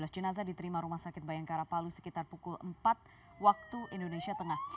dua belas jenazah diterima rumah sakit bayangkara palu sekitar pukul empat waktu indonesia tengah